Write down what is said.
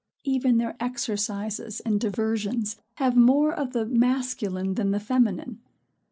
Even their exercises and diversions have more of the masculine than the feminine.